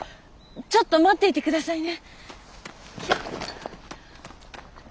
ちょっと待っていて下さいね。